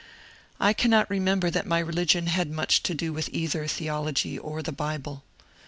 I cannot remember that my religion had much to do with either theology or the Bible.